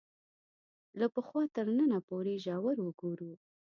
له پخوا تر ننه پورې ژوره وګورو